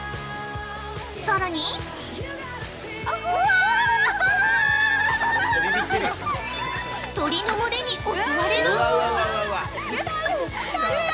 さらに鳥の群れに襲われる？